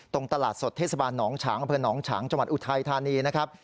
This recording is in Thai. ตรงตลาดสดเทศบาลน้องฉังอนฉังจอุทายธานีนะครับ